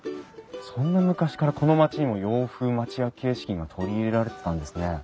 そんな昔からこの町にも洋風町屋形式が取り入れられてたんですね。